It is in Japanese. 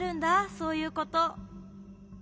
そういうこと。